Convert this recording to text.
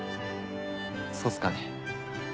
そうっすかね。